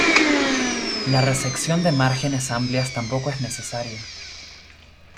La resección de márgenes amplias tampoco es necesaria.